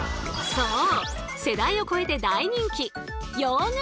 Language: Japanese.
そう！